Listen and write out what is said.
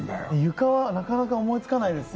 床はなかなか思いつかないですよ